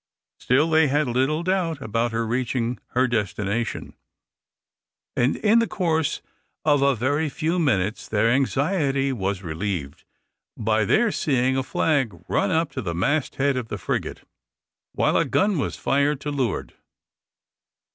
Still, they had little doubt about her reaching her destination, and in the course of a very few minutes their anxiety was relieved by their seeing a flag run up to the mast head of the frigate, while a gun was fired to leeward.